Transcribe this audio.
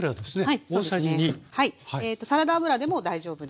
サラダ油でも大丈夫です。